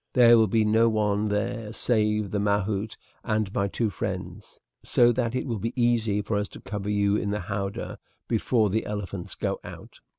There will be no one there save the mahout and my two friends, so that it will be easy for us to cover you in the howdah before the elephants go out.